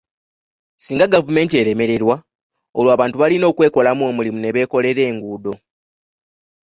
Singa gavumenti eremererwa, olwo abantu balina okwekolamu omulimu ne beekolera enguudo.